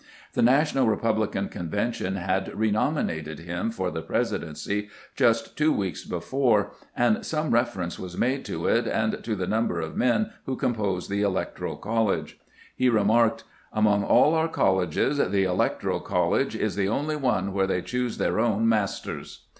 The Na tional Republican Convention had renominated him for the Presidency just two weeks before, and some refer ence was made to it and to the number of men who composed the Electoral College. He remarked: " Among all our colleges, the Electoral College is the only one where they choose their own masters."